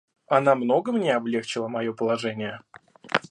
Она много мне облегчила мое положение.